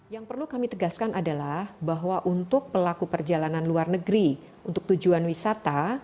yang perlu kami tegaskan adalah bahwa untuk pelaku perjalanan luar negeri untuk tujuan wisata